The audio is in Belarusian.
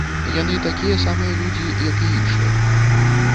Яны такія самыя людзі, як і іншыя.